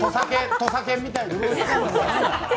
土佐犬みたい。